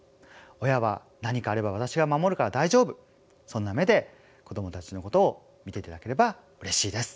親は何かあれば私が守るから大丈夫そんな目で子どもたちのことを見ていただければうれしいです。